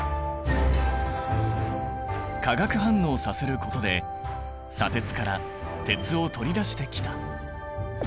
化学反応させることで砂鉄から鉄を取り出してきた。